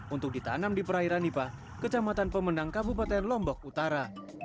untuk ditanam di perairan nipah kecamatan pemenang kabupaten lombok utara